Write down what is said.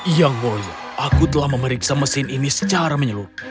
yang mulia aku telah memeriksa mesin ini secara menyeluruh